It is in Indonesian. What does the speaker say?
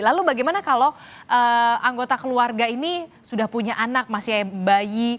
lalu bagaimana kalau anggota keluarga ini sudah punya anak masih bayi